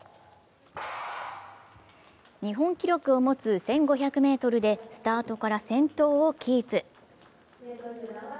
日本記録を持つ１５００ｍでスタートから先頭をキープ。